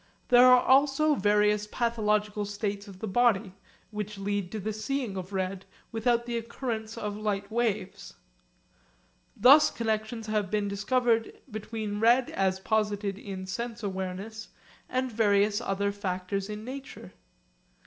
There are also various pathological states of the body which lead to the seeing of red without the occurrence of light waves. Thus connexions have been discovered between red as posited in sense awareness and various other factors in nature.